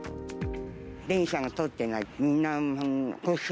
電車が通ってない。